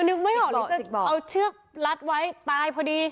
นึกไม่เหรอว่าจะเอาเชือกลัดไว้ตายพอดี